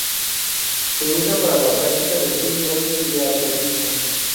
Se usa para la práctica del fútbol y de atletismo.